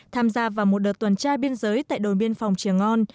tham gia vào một đợt tuần trai biên giới tại đồn biên phòng chiếng on